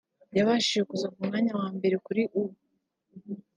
yabashije kuza ku mwanya wa mbere kuri U